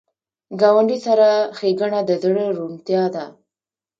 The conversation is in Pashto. ګاونډي سره ښېګڼه د زړه روڼتیا ده